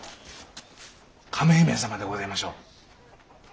亀姫様でごぜましょう？